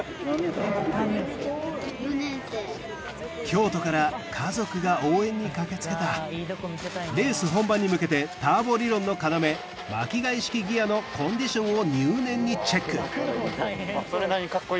京都から家族が応援に駆け付けたレース本番に向けてターボ理論の要巻貝式ギアのコンディションを入念にチェック